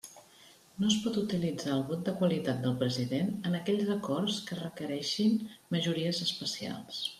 No es pot utilitzar el vot de qualitat del president en aquells acords que requereixin majories especials.